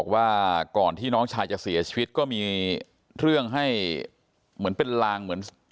ว่าก่อนที่น้องชายจะเสียชีวิตก็มีเรื่องให้เหมือนเป็นลางเหมือน